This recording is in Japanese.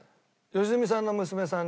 良純さんの娘さん。